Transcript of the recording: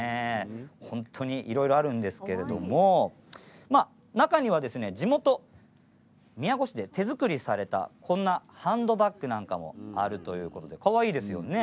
本当にいろいろあるんですけれども中には地元・宮古市で手作りされたハンドバッグなんかもあるということで、かわいいですよね。